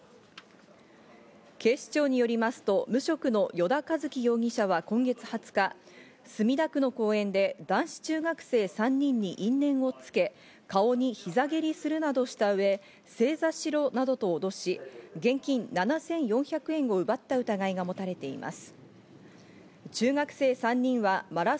警視庁によりますと無職の依田一樹容疑者は今月２０日、墨田区の公園で男子中学生３人に因縁をつけ、顔に膝蹴りするなどした上、正座しろなどと脅し、現金７４００円を奪った疑いが持たれています。